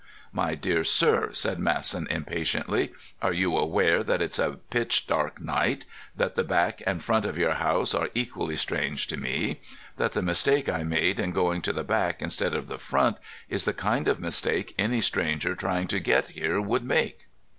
"My dear sir," said Masson impatiently, "are you aware that it's a pitch dark night, that the back and the front of your house are equally strange to me, that the mistake I made in going to the back instead of the front is the kind of mistake any stranger trying to get here would make?"